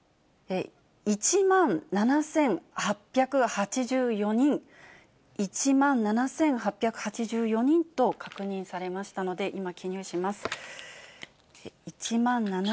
１万７８８４人、１万７８８４人と確認されましたので、今、記入します。